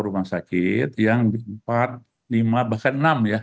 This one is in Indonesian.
nah untuk kelas satu kelas dua kan nggak ada apa salah ya